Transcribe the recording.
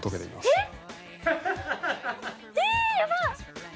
えっ？